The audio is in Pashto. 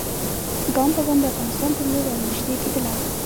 ګام په ګام د افغانستان پر لور را نیژدې کېدله.